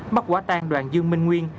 bắt quả tan đoàn dương minh nguyên